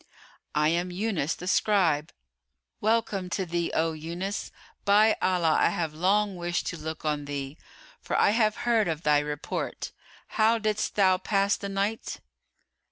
"I am Yunus the Scribe." "Welcome to thee, O Yunus! by Allah, I have long wished to look on thee; for I have heard of thy report. How didst thou pass the night?"